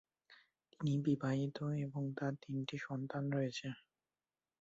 তিনি বিবাহিত এবং তার তিনটি সন্তান রয়েছে।